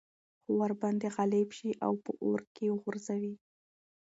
خو ورباندي غالب شي او په اور كي ورغورځي